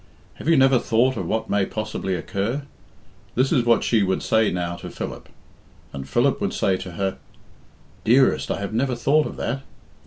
"Have you never thought of what may possibly occur?" This is what she would say now to Philip. And Philip would say to her, "Dearest, I have never thought of that.